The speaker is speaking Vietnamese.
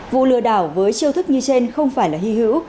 vụ lừa đảo với chiêu thức như trên không phải là hy hữu